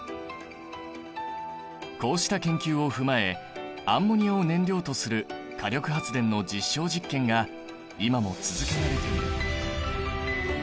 こうした研究を踏まえアンモニアを燃料とする火力発電の実証実験が今も続けられている。